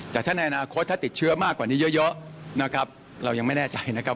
แต่ถ้าในอนาคตถ้าติดเชื้อมากกว่านี้เยอะนะครับเรายังไม่แน่ใจนะครับ